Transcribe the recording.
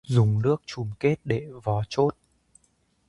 Dùng nước chùm kết để vò trốt